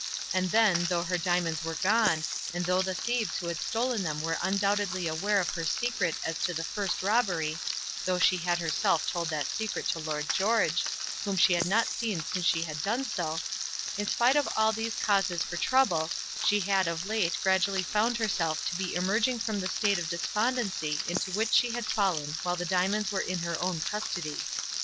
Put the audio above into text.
And then, though her diamonds were gone, and though the thieves who had stolen them were undoubtedly aware of her secret as to the first robbery, though she had herself told that secret to Lord George, whom she had not seen since she had done so, in spite of all these causes for trouble, she had of late gradually found herself to be emerging from the state of despondency into which she had fallen while the diamonds were in her own custody.